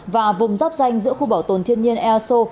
và vùng dắp danh giữa khu bảo tồn thiên nhiên eso